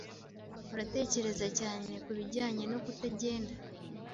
Uratekereza cyane kubijyanye no kutagenda?